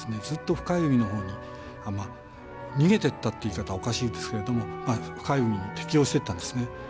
ずっと深い海の方に逃げていったという言い方はおかしいですけれども深い海に適応していったんですね。